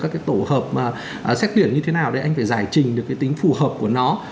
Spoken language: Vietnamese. các cái tổ hợp xét tuyển như thế nào để anh phải giải trình được cái tính phù hợp của nó